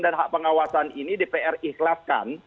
dan hak pengawasan ini dpr ikhlaskan